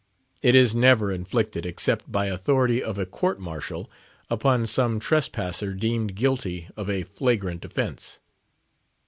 It is never inflicted except by authority of a court martial upon some trespasser deemed guilty of a flagrant offence.